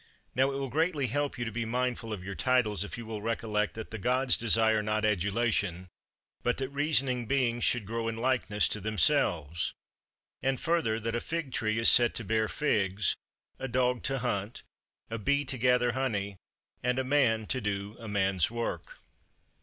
Now it will greatly help you to be mindful of your titles, if you recollect that the Gods desire not adulation, but that reasoning beings should grow in likeness to themselves; and further that a fig tree is set to bear figs, a dog to hunt, a bee to gather honey, and a man to do a man's work.